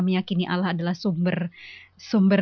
meyakini allah adalah sumber